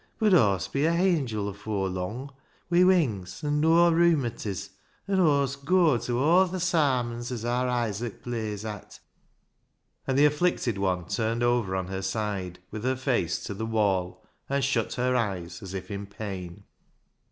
Bud Aw'st be a hangil afoor lung, wi' wings an' noa rheumatiz, an' Aw'st goa ta aw th' Sarmons as aar Isaac plays at." And the afflicted one turned over on her side with her face to the wall, and shut her eyes as if in pain.